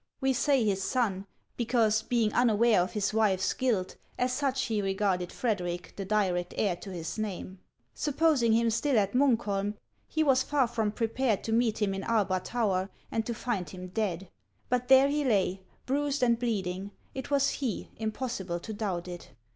We say his son, because, being unaware of his wife's guilt, as such he regarded Frederic, the direct heir to his name. Supposing him still at Munkholm, he was far from prepared to meet him in Arbar tower, and to find him dead ! But there he lay, bruised and bleeding ; it was he, impossible to doubt it.